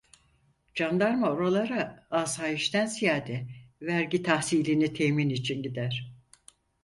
Candarma oralara asayişten ziyade vergi tahsilini temin için gider.